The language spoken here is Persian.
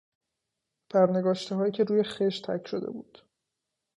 برنگاشتههایی که روی خشت حک شده است.